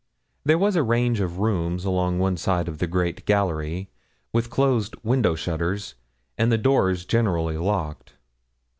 There was a range of rooms along one side of the great gallery, with closed window shutters, and the doors generally locked.